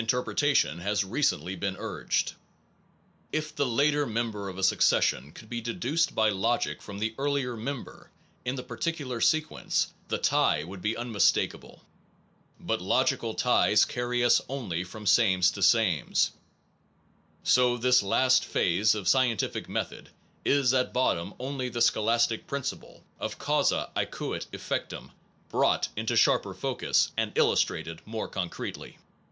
203 SOME PROBLEMS OF PHILOSOPHY pretation has recently been urged. If the later member of a succession could be deduced Deductive by ] O gi c f rO m the earlier member, theories of causation in the particular sequence the tie would be unmistakable. But logical ties carry us only from sames to sanies ; so this last phase of scientific method is at bottom only the scholastic principle of Causa cequat efectum, ibrought into sharper focus and illustrated :more concretely.